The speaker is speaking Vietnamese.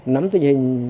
nắm tình hình